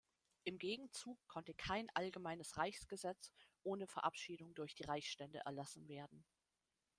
Im Gegenzug konnte kein allgemeines Reichsgesetz ohne Verabschiedung durch die Reichsstände erlassen werden.